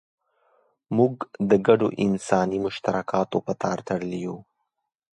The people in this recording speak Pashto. موږ د ګډو انساني مشترکاتو په تار تړلي یو.